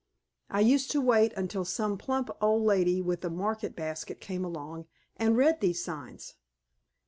I used to wait until some plump old lady with a market basket came along and read these signs.